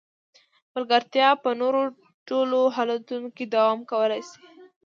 ملګرتیا په نورو ټولو حالتونو کې دوام کولای شي.